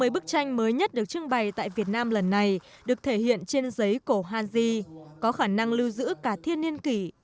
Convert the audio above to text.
một mươi bức tranh mới nhất được trưng bày tại việt nam lần này được thể hiện trên giấy cổ hanzi có khả năng lưu giữ cả thiên niên kỷ